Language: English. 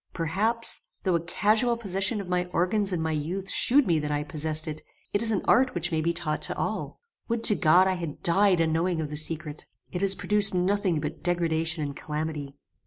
Perhaps, though a casual position of my organs in my youth shewed me that I possessed it, it is an art which may be taught to all. Would to God I had died unknowing of the secret! It has produced nothing but degradation and calamity.